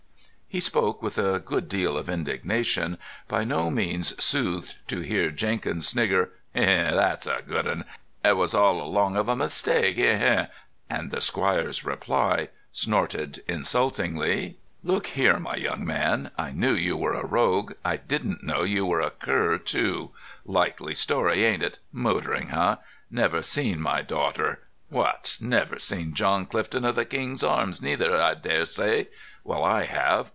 He spoke with a good deal of indignation, by no means soothed to hear Jenkins snigger: "He, he! that's a good un. Et was all along of a mistake. He, he!" and the squire's reply, snorted insultingly: "Look here, my young man, I knew you were a rogue. I didn't know you were a cur too. Likely story, ain't it? Motoring, eh? Never seen my daughter. What? Never seen John Clifton o' the King's Arms neither, I dare say? Well, I have.